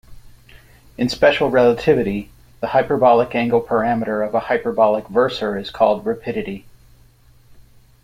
In special relativity, the hyperbolic angle parameter of a hyperbolic versor is called rapidity.